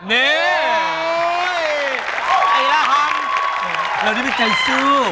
เราได้เป็นใจซื้อ